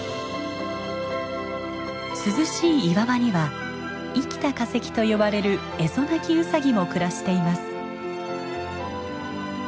涼しい岩場には生きた化石と呼ばれるエゾナキウサギも暮らしています。